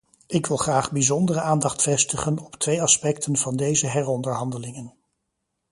Ik wil graag bijzondere aandacht vestigen op twee aspecten van deze heronderhandelingen.